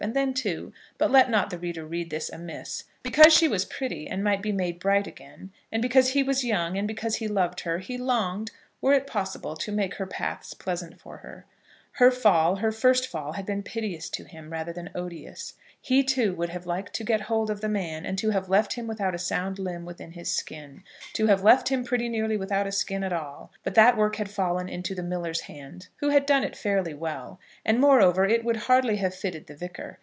And then, too, but let not the reader read this amiss, because she was pretty and might be made bright again, and because he was young, and because he loved her, he longed, were it possible, to make her paths pleasant for her. Her fall, her first fall had been piteous to him, rather than odious. He, too, would have liked to get hold of the man and to have left him without a sound limb within his skin, to have left him pretty nearly without a skin at all; but that work had fallen into the miller's hands, who had done it fairly well. And, moreover, it would hardly have fitted the Vicar.